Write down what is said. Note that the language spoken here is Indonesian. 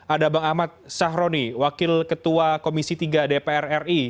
ada bang ahmad sahroni wakil ketua komisi tiga dpr ri